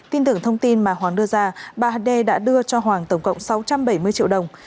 tin tưởng thông tin mà hoàng đưa ra bà hà đê đã đưa cho hoàng tổng cộng sáu trăm bảy mươi triệu đồng